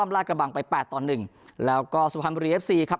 ลาดกระบังไปแปดต่อหนึ่งแล้วก็สุพรรณบุรีเอฟซีครับ